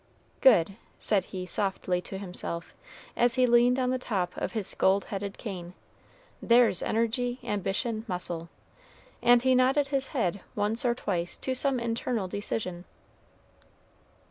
"Good," said he softly to himself, as he leaned on the top of his gold headed cane; "there's energy, ambition, muscle;" and he nodded his head once or twice to some internal decision.